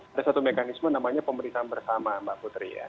ada satu mekanisme namanya pemeriksaan bersama mbak putri ya